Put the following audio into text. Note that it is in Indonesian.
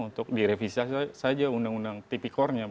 untuk direvisi saja undang undang tipikornya